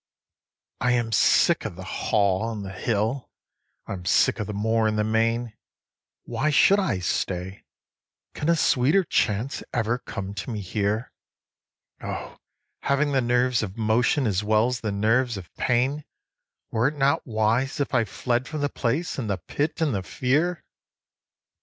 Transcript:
I am sick of the Hall and the hill, I am sick of the moor and the main. Why should I stay? can a sweeter chance ever come to me here? O, having the nerves of motion as well as the nerves of pain, Were it not wise if I fled from the place and the pit and the fear?